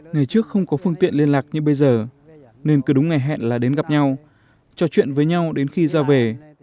ngày trước không có phương tiện liên lạc như bây giờ nên cứ đúng ngày hẹn là đến gặp nhau trò chuyện với nhau đến khi ra về